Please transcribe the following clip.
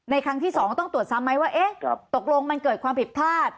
ครั้งที่๒ต้องตรวจซ้ำไหมว่าตกลงมันเกิดความผิดพลาด